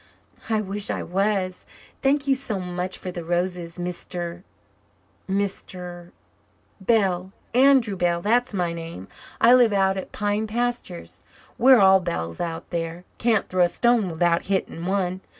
"I wish I was. Thank you so much for the roses, Mr. Mr. " "Bell Andrew Bell, that's my name. I live out at Pine Pastures. We're all Bells out there can't throw a stone without hitting one.